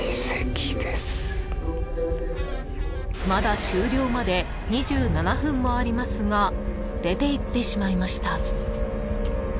［まだ終了まで２７分もありますが出ていってしまいました］